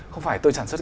không phải tôi sản xuất